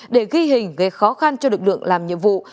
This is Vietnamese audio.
để ghi hình gây khó khăn cho lực lượng làm nhiệm vụ